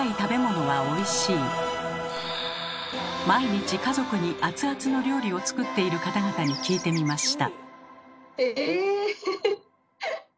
毎日家族にアツアツの料理を作っている方々に聞いてみました。